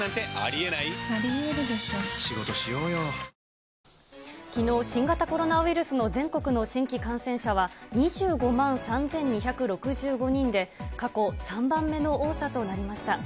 三菱電機きのう、新型コロナウイルスの全国の新規感染者は２５万３２６５人で、過去３番目の多さとなりました。